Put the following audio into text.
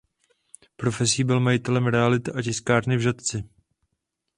Profesí byl majitelem realit a tiskárny v Žatci.